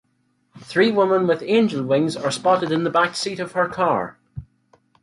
Three women with angel wings are spotted in the backseat of her car.